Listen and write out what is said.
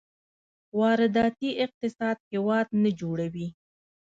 وارداتي اقتصاد هېواد نه جوړوي.